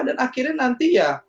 dan akhirnya nanti ya